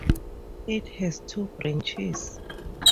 It has two branches.